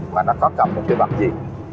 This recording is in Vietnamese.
mà nó có cầm một cái bắp gì